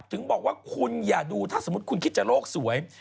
ถึงบอกว่าคุณอย่าดูถ้าสมมุติคุณคิดจะโลกสวย